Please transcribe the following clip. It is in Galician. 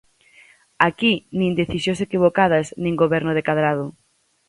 Aquí, nin decisións equivocadas nin Goberno de Cadrado.